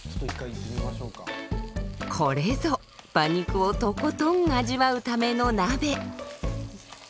これぞ馬肉をとことん味わうための鍋。